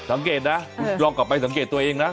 สังเกตนะคุณลองกลับไปสังเกตตัวเองนะ